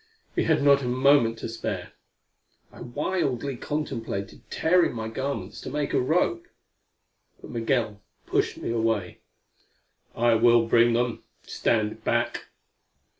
We had not a moment to spare. I wildly contemplated tearing my garments to make a rope. But Migul pushed me away. "I will bring them. Stand back."